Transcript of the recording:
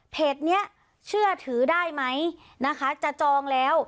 นี้เชื่อถือได้ไหมนะคะจะจองแล้ว